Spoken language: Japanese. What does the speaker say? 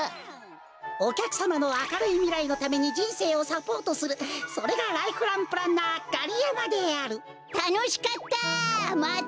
おきゃくさまのあかるいみらいのためにじんせいをサポートするそれがライフランプランナーガリヤマであるたのしかった！